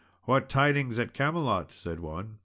"What tidings at Camelot?" said one.